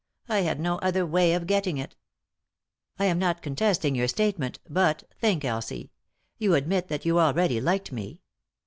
I had no other way of getting it." "1 am not contesting your statement, but — think, Elsie — you admit that you already liked me.